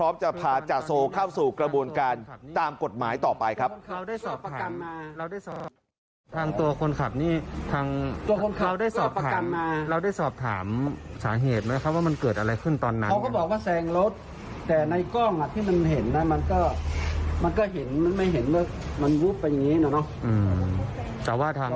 ไม่เห็นมันวู๊บไปอย่างนี้หน่ออืมแต่ว่าทางทางเขาไม่เห็นในเหตุการณ์